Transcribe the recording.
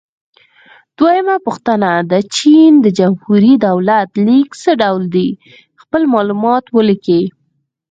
دویمه پوښتنه: د چین د جمهوري دولت لیک څه ډول دی؟ خپل معلومات ولیکئ.